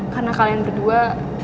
karena kalian berdua